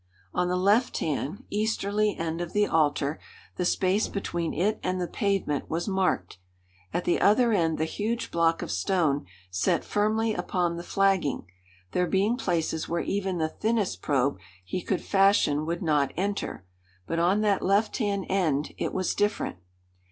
On the left hand easterly end of the altar, the space between it and the pavement was marked. At the other end the huge block of stone sat firmly upon the flagging, there being places where even the thinnest probe he could fashion would not enter; but on that left hand end it was different.